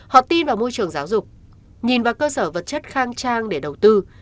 họ tin vào môi trường giáo dục nhìn vào cơ sở vật chất khang trang để đầu tư